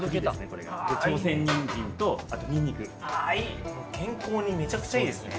これがで朝鮮人参とあとニンニクあいい健康にめちゃくちゃいいですね